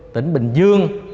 tỉnh bình dương